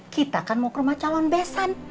kita kan mau ke rumah calon besan